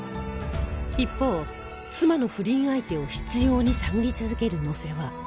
一方妻の不倫相手を執拗に探り続ける野瀬は